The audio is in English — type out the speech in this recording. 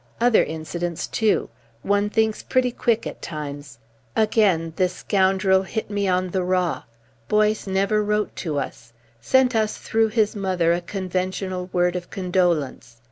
Other incidents, too. One thinks pretty quick at times. Again, this scoundrel hit me on the raw. Boyce never wrote to us. Sent us through his mother a conventional word of condolence.